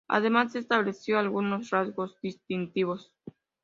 Además estableció algunos rasgos distintivos.